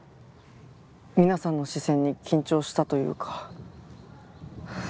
皆さんの視線に緊張したというか何と言うか。